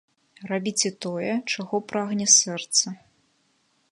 Рабіце тое, чаго прагне сэрца.